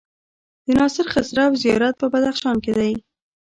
د ناصر خسرو زيارت په بدخشان کی دی